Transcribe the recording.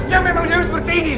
ya memang dewi seperti ini